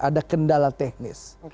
ada kendala teknis